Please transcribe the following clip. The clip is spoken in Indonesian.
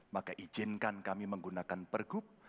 maka izinkan kami menggunakan pergub